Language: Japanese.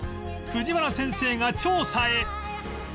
藤原先生が調査へ